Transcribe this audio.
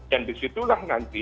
dan disitulah nanti